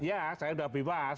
iya saya udah bebas